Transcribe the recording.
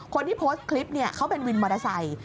คนที่โพสต์คลิปเนี่ยเขาเป็นวินมอเตอร์ไซค์